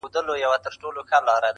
o تر بې عقل دوست، هوښيار دښمن ښه دئ.